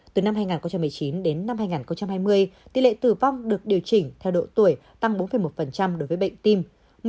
từ năm hai nghìn một mươi chín đến năm hai nghìn hai mươi tỷ lệ tử vong được điều chỉnh theo độ tuổi tăng bốn một đối với bệnh tim